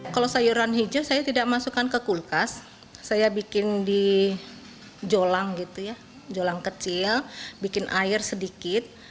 kalau sayuran hijau saya tidak masukkan ke kulkas saya bikin di jolang gitu ya jolang kecil bikin air sedikit